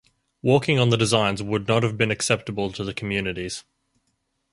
Walking on the designs would not have been acceptable to the communities.